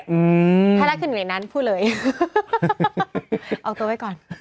ไทยรัฐขึ้นอยู่ในนั้นพูดเลยเอาตัวไว้ก่อน